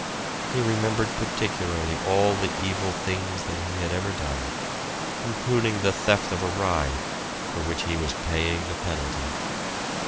He remembered particularly all the evil things that he had ever done; including the theft of a ride, for which he was paying the penalty.